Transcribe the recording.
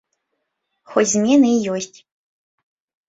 Хоць змены і ёсць.